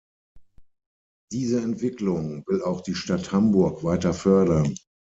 Diese Entwicklung will auch die Stadt Hamburg weiter fördern.